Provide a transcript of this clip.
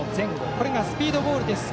これがスピードボールです。